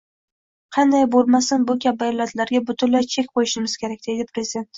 “Qanday bo‘lmasin, bu kabi illatlarga butunlay chek qo‘yishimiz kerak”, — deydi Prezident